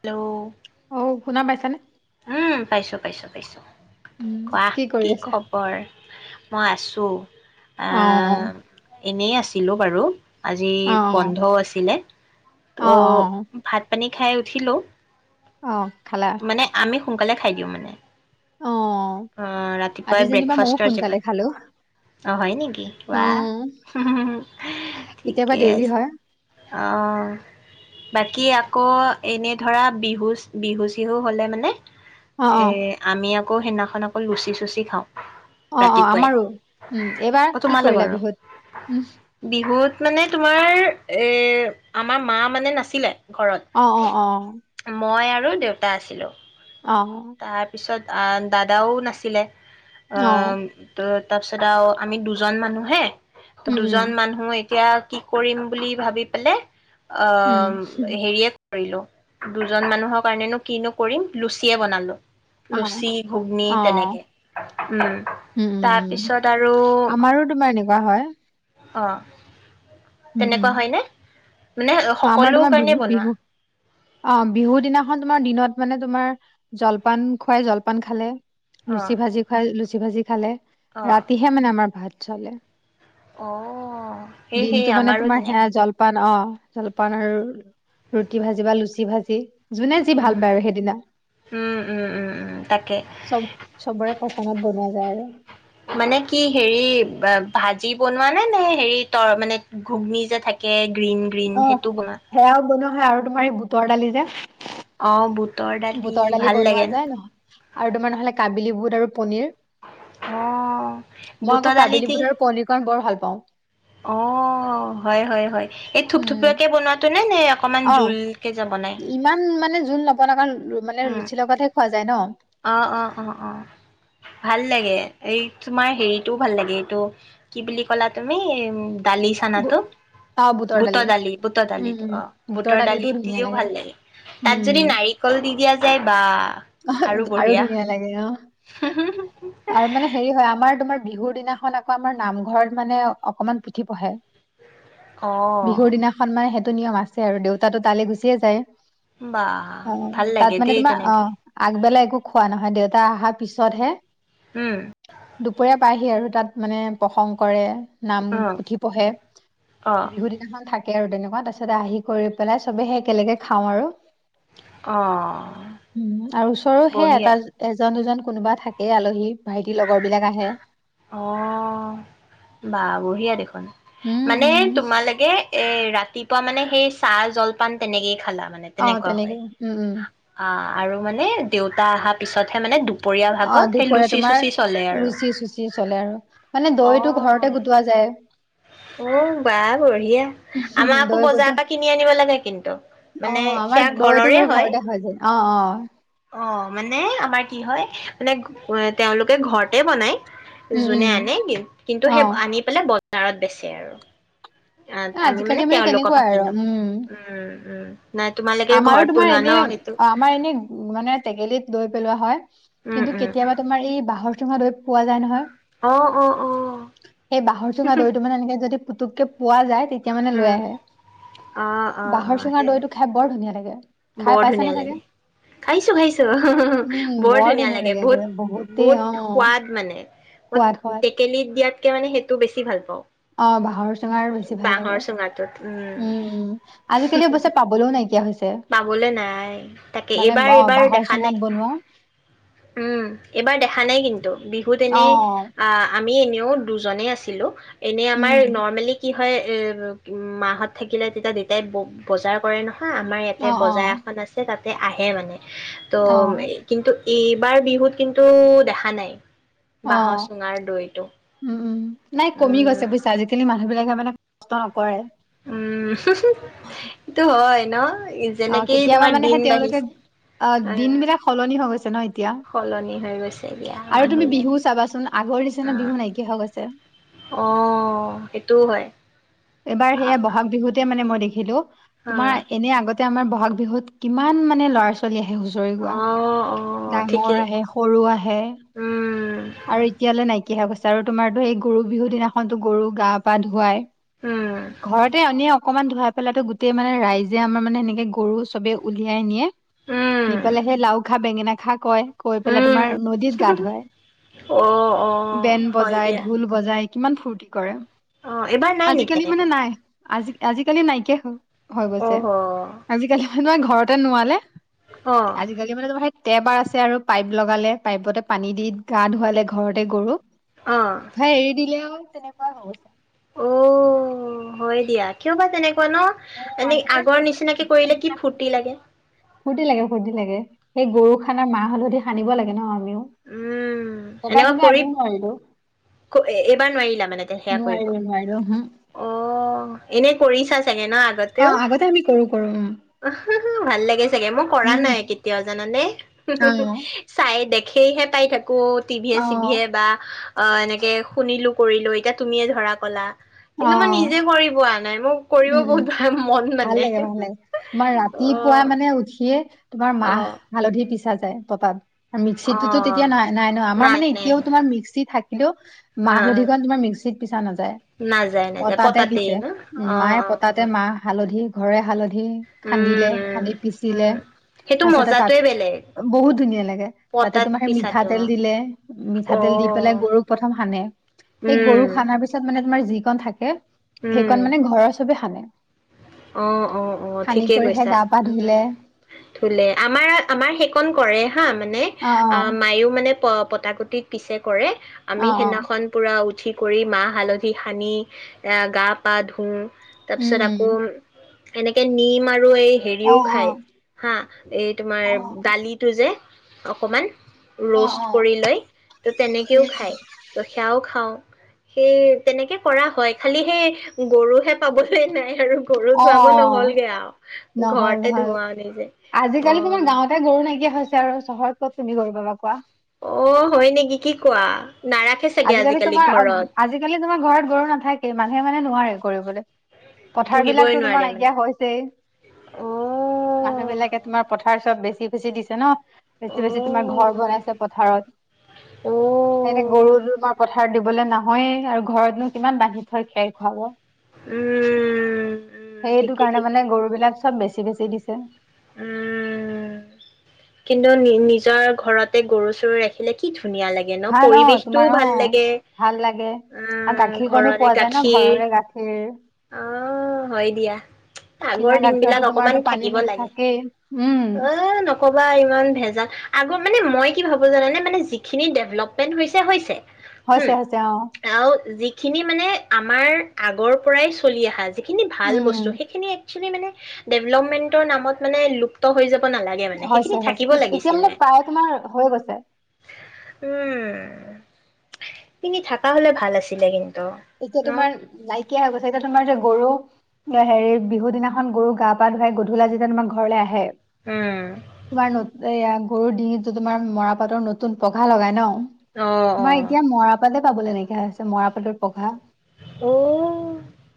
Hello অ' শুনা পাইছানে? উম পাইছো পাইছো পাইছো। উম ৱাহ কৰি কি আছা খবৰ? মই আছোঁ। আ অ এনেই আছিলোঁ বাৰু। আজি অ বন্ধও আছিলে। অ অ ত' ভাত পানী খাই উঠিলোঁ। অহ। মানে আমি সোনকালে খাই দিওঁ মানে। অ আহ, আজি ৰাতিপুৱাই যেনিবা ময়ো ব্ৰেকফাষ্টৰ জেগত! সোনকালে খালো অ হয় নেকি? অ ৱাহ, কেতিয়াবা ঠিকেই দেৰি আছে। হয় অ'। বাকী আকৌ, এনে ধৰা বিহু, বিহু-চিহু হ'লে মানে অ অ এ, আমি আক কৌ সেনা খন অকল লুচি-চুচি খাওঁ। অ, অ, ৰাতিপুৱাই আমাৰো। উম, এইবাৰ? অ কি কৰিলা তোমালোকৰো বিহুত? উহ। বিহুত মানে তোমাৰ, এ, আমাৰ মা মানে নাছিলে। ঘৰত। অ অ অ মই আৰু আৰু দেউতা আছিলোঁ। অ তাৰ পিছত আ দাদাও নাছিলে অ ত তাৰপিছত আৰু আমি দুজন মানুহে ত উম দুজন উম মানুহ এতিয়া কি কৰিম বুলি ভাবি পেলাই অ উম হেৰিয়ে কৰিলো দুজন মানুহৰ কাৰণেনো কিনো কৰিম লুচিয়ে বনালো অ লুছি ঘুগ্নী অ তেনেকে উম উম তাৰপিছত আৰু এনেকোৱা হয় অহ উম উম তেনেকোৱা হয়নে মানে অ আমাৰ সকলো তোমাৰ কাৰণে বিহু বনোৱা? বিহু অ বিহু দিনাখন তোমাৰ দিনত মানে তোমাৰ জলপান খুৱাই জলপান খালে অ', লুচি ভাজি খুৱাই লুচি লুচি ভাজি খালে অ', ৰাতিহে মানে আমাৰ ভাত চালে অ', সেই সেই দিনটো মানে আমাৰো তোমাৰ সেয়া তেনেকুৱা জলপান অ জলপান আৰু ৰুটি ভাজি বা লুচি ভাজি যোনে যি উম। ভাল পায় আৰু সেইদিনা উম, উম, উম, উম, তাকে। চব চবৰে পচন্দত বনাই যায় মানে কি হেৰি ভাজি বনোৱা নে নে হেৰি ত মানে ঘুগনিী যে থাকে গ্ৰীণ গ্ৰীণ সেইটো বনা নহয় আৰু তোমাৰ সেই বুটৰ দালি যে অ বুত বুটৰ ডালি বুটৰ দালি ভাল বনোৱা লাগে ন যায় নহ আৰু তোমাৰ হ'লে কাবিলি বুট আৰু পনীৰ অ', মই বুটৰ আকৌ দালি কাবিলী দি বুট আৰু পনিৰকণ বৰ ভাল প পাওঁ অ হয় হয় হয় এই উম থোপথুপিয়াকে বনোৱাতোয়ে নে নে অকমান জোল কে যে বনাই জুল [unintelligible] মানে উম, লুচিৰ লগতহে। খোৱা যায় ন? অ, অ, অ, অ, ভাল লাগে। এই তোমাৰ হেৰিটোও ভাল লাগে, এইটো কি বুলি ক'লা তুমি? এই দালি বু চানাটো! বুটৰ দালি, বুটৰ উম দালিটো উম অ', বুটৰ দালি দালিটো ধুনীয়া দিওঁ ভাল লাগে। তাত যদি উম নাৰিকল দি দিয়া যায়, বা! আৰু ধুনীয়া লাগে, অহ। আৰু মানে হেৰি হয়, আমাৰ তোমাৰ বিহুৰ দিনাখন আকৌ আমাৰ নামঘৰত মানে অকনমান পুথি পঢ়ে। অ বিহুৰ দিনাখন মানে সে নিয়ম আছে আৰু, দেউতাটো তালৈ গুচিয়ে যায়। বা অ, অ। ভাল লাগে তাত মানে দেই তোমাৰ, তেনেকে অ', আগবেলা একো খোৱা নহয়। দে তা আহা পিছতহে হম! পায়াহি আৰু তাত মানে প্ৰসংগ কৰে নাম, অ পুথি পঢ়ে। অ বিহু দিনাখন থাক তাকে আৰু তেনেকুৱা। তাৰ পিছত আহি, কৰি পেলাই চবে সই একেলগে খাওঁ আৰু। অ উ আৰু ওচৰো সেয় এটা, বঢ়িয়া এজন, দুজন কোনোবা থাকে আলহী ভাইটিৰ লগৰ বিলাক আহে। অ' বা বঢ়ীয়া দেখোন। উম মানে উম তোমালাগে এ ৰাতিপুৱা মানে সেই চাহ জলপান তেনেকেই খালা মানে অ তেনেকুৱা তেনেকে হয় উম উম আহ। আৰু মানে দেউতা অহা পিছতহে মানে দু দুপৰীয়া অ ভাগত সেই দুপৰীয়া লুচি তোমাৰ চুচি চলে আৰু? লুচি চুচি চলে আৰু মানে দৈটো ঘৰতে গোটোৱা যায়। উ বা বঢ়িয়া আমাৰ আকৌ দৈ বজাৰৰ গোটোৱা পৰা কিনি আনিব লাগে কিন্তু অ মানে আমাৰ সেয়া দৈটো ঘৰৰে বাৰু হয়। ঘৰতে হৈ যায় অ অ অ' মানে আমাৰ কি হয় মানে তেওঁলোকে ঘৰতে বনায়। উম যোনে উম আনে কিন্তু অ সেই আনি পেলাই ব বজাৰত বেচে আৰু। অ' এ, আমি আজিকালি মানে তেওঁলোকক পৰা তেনেকুৱাই আৰু কিনো উম উম উম। নাই তোমালোকে আমাৰো ঘৰত তোমাৰ বনোৱা ন এনে সেইটো আমাৰ এনে মানে টেকেলিত দৈ পেলোৱা হয়। উম কিন্তু উম কেতিয়াবা তোমাৰ এই বাহৰ চূঙা দৈ পোৱা যায় নহয়। অ' অ' অ' পুতুকে পোৱা যায় তেয়া তেতিয়া মানে লৈ উম আহে অ', অ', বাঁহৰ অ', চুঙাৰ সেই দৈটো। বৰ ধুনীয়া লাগে। খাই বৰ ধুনীয়া পাইছানে চাগে লাগে খাইছো খাইছো উম বৰ ধুনীয়া লাগে গে, বহুত বহুতেই অ বহুত সোৱাদ মানে সোৱাদ মই সোৱাদ টেকেলি দিয়াত [unintelligible] মানে সেইটো বেছি ভাল পওঁ। ভাৰত বেছি ভাল লাগে উম উম আজিকালি অৱশ্যে পাবলৈও নাইকিয়া হৈছে। পাবলৈ নাই তাকে মানে এইবাৰ অ এইবাৰ বাঁহৰ দেখা চুঙাত নাই বনোৱা উম এইবাৰ দেখা নাই কিন্তু বিহুত অ এনে আহ। আমি এনেও দুজনেই আছিলো। এনেই আমাৰ উম নৰ্মেলি কি মাহত থাকিলে তেতিয়া দেতাই বজাৰ কৰে নহয় আ তে অ অ বজাৰ এখন আছে তাত তাতে আহে মানে অ ত' কিন্তু এইবাৰ বিহুত কিন্তু দেখা নাই। অ বাঁহৰ চুঙাৰ দৈটো। উম নাই কমি গৈছে উম। বুইছা আজিকালি মানুহ বিলাকে মানে কষ্ট নকৰে উম সেটো হয় ন? অ' যেনেকেই কেতিয়াবা তোমাৰ মানেহে দিন তেওঁলোকে বাঢ়িছে অ এ দিন বিলাক সলনি হৈ গৈছে। [inaudible] সলনি হৈ গৈছে দিয়া আৰু তুমি মানুহলৈ বিহু চাবাচোন আগৰ নিচিনা আহ বিহু নাইকিয়া হৈ গৈছে আহ সেইটোও হয়। এইবাৰ সেয়া আহ বহাগ বিহুতে মানে মই দেখিলো হা তোমাৰ এনে আগতে আমাৰ বহাগ বিহুত কিমান মানে ল'ৰা ছোৱালী আহ আহে হুঁচৰি গোৱা অ অ ঠিকেই ডাঙৰ আহে সৰু আহে। উম আৰু এতিয়ালে নাই নাইকিয়া হৈ গৈছে আৰু তোমাৰতো এই গৰু বিহু দিনাখনতো গৰু গা পা ধুৱাই উম ঘৰতে এনে অ অকণমান ধুৱাই পেলাতো গোটেই মানে ৰাইজে আমাৰ মানে সেনেকে গৰু চবে উলিয়াই নিয়ে উম নি পেলালে সে লাও খা বেঙেনা খ খাও কয় কৈ পেলাই উম তোমাৰ নদীত গা ধয় অ অ বেন হয় বজাই দিয়া ঢোল বজাই কিমান ফূৰ্ত্তি কৰে। অ এইবাৰ নাই নেকি আজিকালি মানে তেনেকুৱা নাই আজি আজিকালি নাইকিয়া হম হৈ গৈছে অহ আজিকালি মানে ঘ ঘৰতে নোৱালে অ অ তে আজি কালি মানে ত তেবাৰ আছে আৰু পাইপ লগালে পাইপতে পানী দি গা ধোৱালে ঘৰতে গৰুক থই এৰি দিলে আৰু তেনেকুৱা হৈছ অ হয় দিয়া কিয় বা তেনেকে ন অ এনে আজিকালি আগৰ নিচিনাকে কৰিলে কি ফূৰ্তি লাগে ফূুৰ্তি লাগে ফুৰ্তি লাগে সেই গৰু খানাৰ মাহ হালধি সানিব লাগে ন আমিও উম এবাৰ এনেকুৱা কিন্তু কৰি আমিও নোৱাৰিলো এইবাৰ নোৱাৰিলা মানে সেয়া কৰিব নোৱাৰিলো নোৱাৰিলো অ এনে কৰি চাই অ আগতে আমি কৰো কৰো অম উম ভাল লাগেছ চাগে মই কৰা নাই কেতিয়াও জানানে অ', চাই দে সেইহে পাই থাক অ টিভিয়ে অ', চিভিয়ে বা অ এনেকে শুনিলো কৰিলো এতিয়া তুমিয়ে ধৰা কলা কিন্তু মই অ', নিজে কৰিব আ নাই মোৰ উম উম ভাল লাগে ভাল লাগে তোমাৰ অ ৰাতিপুৱা মানে উঠিয়ে তোমাৰ অ মাহ হালধি পিছ ছা যায় পতাত অ মিক্সিটোতো তেতিয়া নাই নাই ন আমাৰ মানে এতিয়াও তোমাৰ মিক্সি থাকিলেও অ মাহ অ হালধি কন তোমাৰ মিক্সিত পিছা নাযায় নাযায় নাযায় পতাতহে পতাতেই পিছে ন উ অ মায়ে অ পতাতে অ মাহ হালধি ঘৰে হালধি উম খান্দিলে উম খান্দি পিচিলে উম সেইটো তাৰ পিছতে তাত মজাটোৱে বেলেগ বহুত ধুনীয়া লাগে তাতে পতাত তোমাক পিছাটো মিঠাতেল দিলে অ মিঠাতেল দি পেলাই গৰুক প্ৰথম সানে সেই উম গৰুক সানাৰ পিছত মানে তোমাৰ যিকন থাকে অণ উম মানে ঘৰৰ চবে সানে অ অ অ সানি ঠিকে কৰিহে কৈছা গা পা উ ধুলে ধুলে আমাৰ আমাৰ সেইকন কৰে হা মানে অ মায়ো মান পতাকুটি পিছে কৰে অ আমি অ সেদিনাখন পুৰা পুঠি কৰি মাহ হালধি সানি গা পা ধুওঁ উম তাৰপিছত আকৌ উম এনেকে নি মাৰ আৰু এই অ হেৰিও অ খায় হা এই তোমাৰ অ দালিটো যে অকমান অ অ ৰষ্ট কৰি লৈ ত তেনেকেও উম খায় ত' সেয়াও খাও সেই তেনেকে কৰা হয় খালি সেই গৰুহে পাবলৈ নাই গৰু অ অ ধুৱাব নহলগে আৰু নহল ঘৰতে নহল ধুৱাও নিজে অ আজিকালি তোমাৰ গাঁৱতে গৰু নাইকিয়া হৈছে আৰু চহৰত ক'ত তুমি গৰু পাবা কোৱা অ হয় নেকি কি কোৱা নাৰাখে চাগে আজিকালি তোমাৰ ঘৰত আজিকালি তোমাৰ ঘৰত গৰু নাথাকেই মানুহে মানে নোৱাৰে কৰিবলৈ পথাৰ পুহিবই বিলাকতো তোমাৰ নোৱাৰে মানে। নাইকিয়া হৈছেই মানুহ উম, বিলাকে তোমাৰ পথাৰ চব বেছি বেছি বেছি দিছে ন বেছি বেছি তোমাৰ ঘৰ বনাইছে পথাৰত স উম, গৰু বা কথা পথাৰত দিবলৈ নহয়েই আৰু ঘৰতনো কিমান বান্ধি থয় খেৰ খুৱাব উম সেইটো কাৰণে মানে গৰু বিলাক চব বেছি বেছি দিছে উম কিন্তু নিজৰ ঘৰতে গৰু চৰু ৰাখিলে কি ধুনীয়া লাগে ন ভাল অ পৰিৱেশটোও তোমাৰ অ ভাল লাগে ভাল লাগে উ আৰু গাখীৰ কণো ঘৰৰে পোৱা যায় ন গাখীৰ ঘৰৰে গাখীৰ অ হয় দিয়া কিনা আগৰ দিন গাখীৰতো বিলাক অকমান তোমাৰতো পানী থাকিব মিক্স লাগে থাকেই উম অ ইমান ভেজাল আগ মানে মই কি ভাবো জানে নে মানে যিখিনি ডেভলপমেন্ট হৈছে হৈছে হৈছে উম হৈছে অ আৰু যি খিনি মানে আমাৰ আগৰ পৰাই চলি অহা যায় যিখিনি ভাল উম বস্তু উম সেইখিনি এক একচোৱেলি মানে দেভেলপমেনত নামত লোপ্ত হয় যাব নালাগে মানে কি থাকিব এতিয়া লাগিছিলে মানে প্ৰায় তোমাৰ হৈ গৈছে উম পিনি থকা হ'লে ভাল আছিলে কিন্তু এতিয়া ন তোমাৰ নাইকিয়া হৈ গৈছে এতিয়া তোমাৰ যে গৰু হেৰি বিহু দিনাখন গৰু গা পা ধুৱাই গধূলা যেতিয়া তোমাৰ ঘৰলৈ আহে উম তোমাৰ নহ এয়া গৰুৰ ডিঙিটো তোমাৰ মৰাপাতৰ নতুন পঘা লগাই ন অ তোমাৰ এতিয়া মৰা পালে পাবলে নাইকিয়া হৈছে মৰা পাতৰ পঘা। অ অ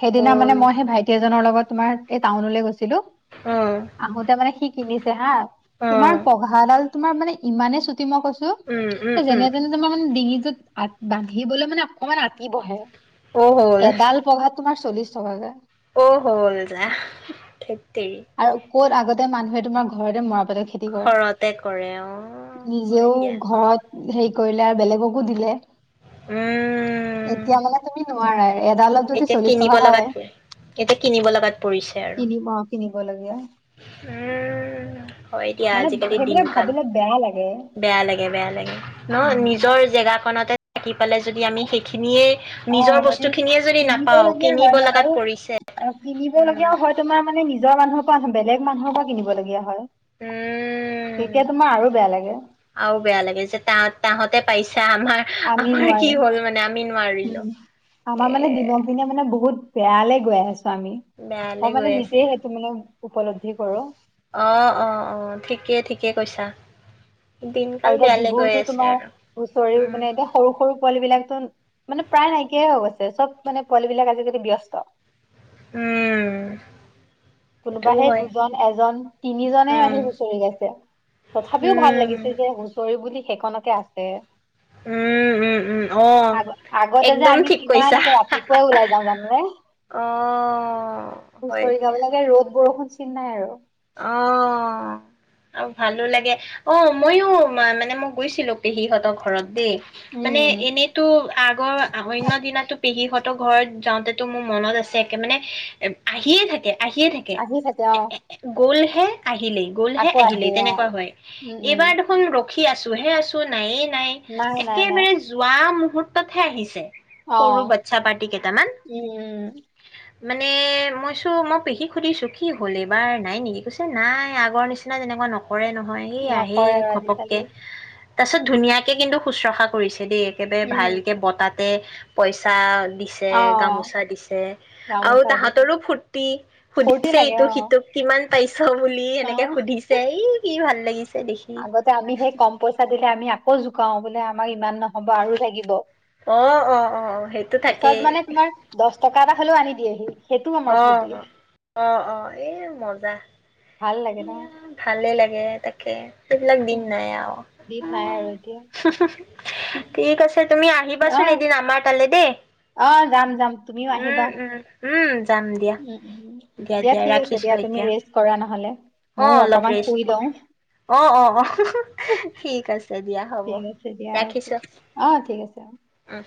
সেইদিনা মানে হ'ল মই সেই ভাইটি এজনৰ লগত তোমাৰ এই টাউনলৈ গৈছ ছিলো অ আহোতে মানে সি কিনিছে হা অ তোমাৰ পঘাডাল তোমাৰ মানে ইমানে ছুট মই কৈছো, উম উম এ উম যেনে তেনে তোমাৰ মানে ডিঙি টোত আত বান্ধিবলৈ মানে অকমান আত কি বহে? অ', হয়। তোমাৰ চল্লিশ টকাকে। অ, হ'ল যা, থেট তেৰি আৰু ক'ত আগতে মানুহে তোমাৰ ঘৰতে মৰাপা খেতি কৰে, ঘৰতে কৰে অ' হয় নিজেও দিয়া ঘৰত হে কৰিলে আৰু বেলেগকো দিলে উম এতিয়া মানে তুমি ন [unintelligible] এতিয়া কিনিব লগাত পৰে, এতিয়া কিনিব লগাত পৰিছে কিনি মকে নিবলগীয়া উ', হয় দিয়া মানে আজিকালি সেইবিলাক দিনকাল, ভাবিলে বেয়া লাগে বেয়া লাগে-বেয়া লাগে ন, উম নিজৰ জেগাকনতে থাকি পালে যদি আমি সেইখিনিয়েই অ', যদি কিনিব লগীয়া হয় কিনিব ন, লগাত আৰু পৰিছে অ, কিনিব উম লগীয়াও হয় তোমাৰ মানে নিজৰ মানুহ মানুহৰ পৰা কিনিব লগগীয়া হয়। উম তেতিয়া তোমাৰ আৰু বেয়া লাগে। আৰু বেয়া যে তাহ-তাহঁতে পাইছে তা-আমাৰ আমি আমাৰ কি নোৱাৰিম হ'ল মানে আমি নোৱাৰিলো। উম আমাৰ এ মানে দিনক দিনে মানে বহুত বেয়ালে গৈ আছ আমি, মই বেয়ালৈ মানে গৈ নিজে আছে। সেইটো মানে উপলদ্ধি কৰো। অ', অ', অ', ঠিকেই-ঠিকেই কৈছা। দিনকাল আৰু এতিয়া বেয়ালৈ গৈ বিহুতো আছে তোমাৰ আৰু। হুচৰিও উম, মানে এতিয়া সৰু সৰু পোৱালি বিলাক মানে প্ৰায় নাইকিয়াই হৈ গৈছে, চব মানে পোৱালি বিলাক আজিকালি ব্যস্ত উম কোনোবা সেইটোও হে হয়। দুজন এজন তিনি জনে উম, আহি হুঁচৰি গাইছে, তথাপিও ভাল উম, লাগিছে যে হুঁচৰি বুলি সেইকনকে আছে উম উম উম অহ আগ আগতে যে একদম আমি ঠিক কিমান কৰিছা একে ৰাতিপুৱাই ওলাই যাওঁ জানানে অহ হয় হুঁচৰি দিয়া গাবলৈকে ৰ'দ বৰষুণ চিন নাই আৰু অ আৰু ভালো লাগে, অ মইও মানে মই গৈছিলো পেহীহঁতৰ ঘৰত দেই মানে উম এনেইতো আগৰ অন্য দিনা টো পেহীহঁত ঘৰত যাওঁতেতো মোৰ মনত আছে একে মানে এ আহিয়ে থাকে আহিয়ে থাকে আহি থাকে অ গলহে আহিলেই গ'লহে আকৌ আহে আহিলেই অ তেনেকুৱা হয়, উম উম এইবাৰ দেখোন ৰ ৰখি আছো হে আছো নাই নাই নাই নাই একেবাৰে যোৱা মু মুহূৰ্ততহে আহিছে অ সৰু বাচ্ছা পাৰ্টি কেইটামান উম উম মানে মই চো মই পেহীক সুধিছোঁ কি হ'ল এইবোৰ এবাৰ নাই নেকি? কৈছে নাই আগৰ নিচিনা যেনেকুৱা নক কৰে নকৰে নহয় আৰু আজিকালি তাৰ পাছত ধুনীয়াকে কিন্তু শুশ্ৰূষা কৰিছে হেতি একেবাৰে উম ভালকৈ বতাতে পইচা দিছে অ গামোচা দিছে আৰু গামোচা দি তাহতৰো ফূুৰ্তি ফূৰ্তি সুধিছে লাগে এইটো অ হিতো তোক কিমান পাইছ বুলি অ এনেকে সুধিছে, এই কি ভাল লাগি আগতে আমি সেই কম পইচা দিলে আমি আকৌ জোকাও বোলে আমাক ইমান নহব আৰু লাগিব অ অ অ সেইটো পিছত থাকেই মানে তোমাৰ দছ টকা এটা হলেও আনি দিয়েহি সেইটো আমাৰ অ ফূৰ্তি অ অ এ মজা ভাল লাগে ন ভালে লাগে, তাকে সেইবিলাক দিন উম, নাই আৰু দিন নাই আৰু এতিয়া ঠিক আছে তুমি অ আহিবাচোন এদিন আমাৰ তালৈ দেই অ যাম যাম তুমিও আহিবা উম উম উম যাম দিয়া উম উম দিয়া ঠিক আছে দিয়া তুমি ৰেষ্ট কৰা নহ'লে অ ময়ো অলপ অকমান শুই ৰেষ্ট, লওঁ অ অ অ ঠিক আছে দিয়া, হ'ব ঠিক আছে দিয়া ৰাখিছ। অকে অ ঠিক আছে অ উ